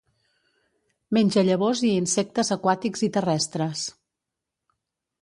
Menja llavors i insectes aquàtics i terrestres.